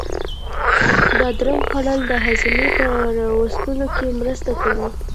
بادرنگ خوړل د هاضمې په را وستلو کې مرسته کوي.